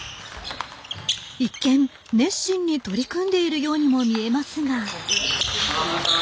一見、熱心に取り組んでいるようにも見えますが。